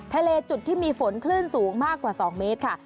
ทะเลจุดที่มีฝนคลื่นสูงมากกว่า๒เมตรค่ะ